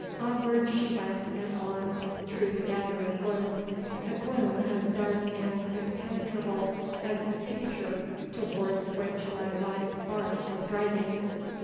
Onward she went and on, through the gathering gloom a gloom as dark and impenetrable as the future towards which my life's bark was driving.